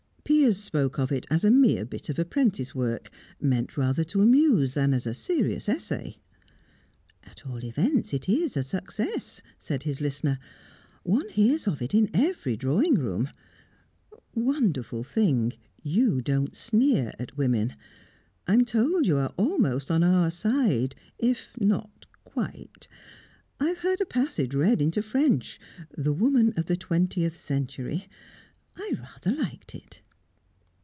Piers spoke of it as a mere bit of apprentice work, meant rather to amuse than as a serious essay. "At all events, it's a success," said his listener. "One hears of it in every drawing room. Wonderful thing you don't sneer at women. I'm told you are almost on our side if not quite. I've heard a passage read into French the woman of the twentieth century. I rather liked it."